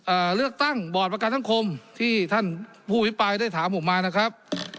เลือกตั้งบอร์ดประกันสังคมที่ท่านผู้อภิปรายได้ถามผมมานะครับ